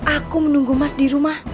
aku menunggu mas dirumah